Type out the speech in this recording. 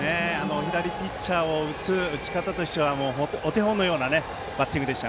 左ピッチャーを打つ打ち方としてはお手本のようなバッティング。